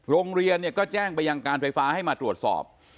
โรงเรียนเนี่ยก็แจ้งไปยังการไฟฟ้าให้มาตรวจสอบ